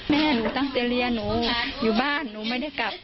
แม่หนูตั้งใจเรียนหนูอยู่บ้านหนูไม่ได้กลับ